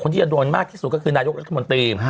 ที่จะโดนมากที่สุดก็คือนายกรัฐมนตรี